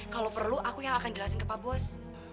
kalau perlu aku yang akan jelasin ke pak bos